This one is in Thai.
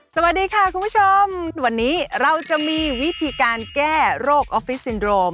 สวัสดีค่ะคุณผู้ชมวันนี้เราจะมีวิธีการแก้โรคออฟฟิซินโรม